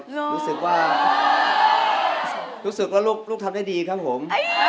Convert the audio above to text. รู้สึกว่าลูกทำได้ดีครับผม